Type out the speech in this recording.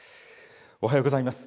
おはようございます。